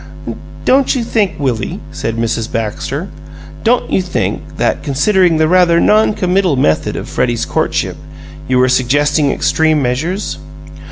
"Don't you think, Willie," said Mrs. Baxter "don't you think that, considering the rather noncommittal method of Freddie's courtship, you are suggesting extreme measures?"